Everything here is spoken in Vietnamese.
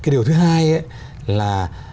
điều thứ hai là